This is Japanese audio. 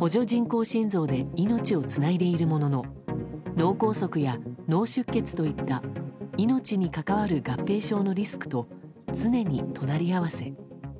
補助人工心臓で命をつないでいるものの脳梗塞や脳出血といった命に係わる合併症のリスクと常に隣り合わせ。